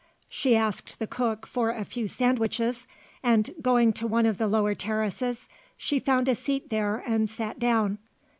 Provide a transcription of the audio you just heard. She asked the cook for a few sandwiches and going to one of the lower terraces she found a seat there and sat down.